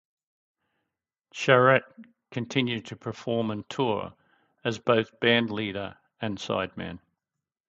Charette continued to perform and tour as both band leader and sideman.